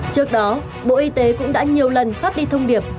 trước đó bộ y tế cũng đã nhiều lần phát đi thông điệp